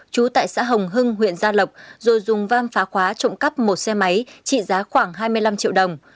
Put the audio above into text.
trú tại xã hồng hưng huyện gia lộc rồi dùng vam phá khóa trộm cắp một xe máy trị giá khoảng hai mươi năm triệu đồng